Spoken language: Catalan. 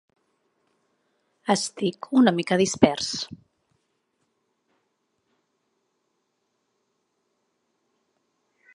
Estic una mica dispers.